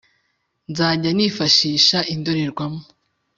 Nzajya nifashisha indorerwamo